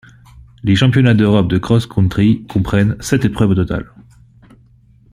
Les Championnats d'Europe de cross-country comprennent sept épreuves au total.